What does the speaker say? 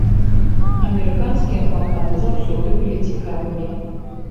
Амерыканскія плакаты заўсёды былі цікавымі.